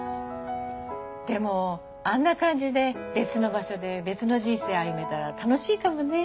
でもあんな感じで別の場所で別の人生歩めたら楽しいかもね。